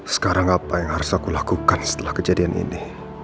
sekarang apa yang harus aku lakukan setelah kejadian ini